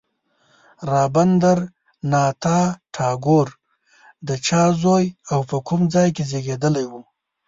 رابندر ناته ټاګور د چا زوی او په کوم ځای کې زېږېدلی و.